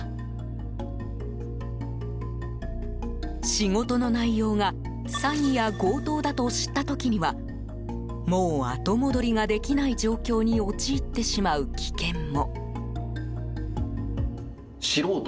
仕事の内容が詐欺や強盗だと知った時にはもう後戻りができない状況に陥ってしまう危険も。